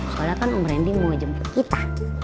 soalnya kan om branding mau jemput kita